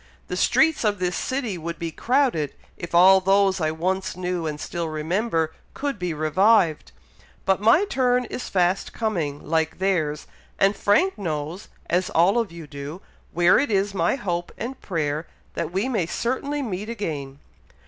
The streets of this city would be crowded, if all those I once knew and still remember, could be revived; but my turn is fast coming, like theirs, and Frank knows, as all of you do, where it is my hope and prayer that we may certainly meet again."